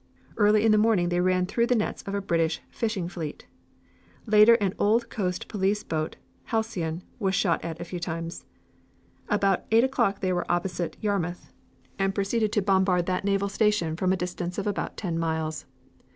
Early in the morning they ran through the nets of a British fishing fleet. Later an old coast police boat, the Halcyon, was shot at a few times. About eight o'clock they were opposite Yarmouth, and proceeded to bombard that naval station from a distance of about ten miles.